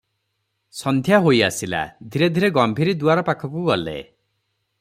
ସନ୍ଧ୍ୟା ହୋଇ ଆସିଲା, ଧୀରେ ଧୀରେ ଗମ୍ଭୀରି ଦୁଆର ପାଖକୁ ଗଲେ ।